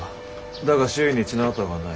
だが周囲に血の跡がない。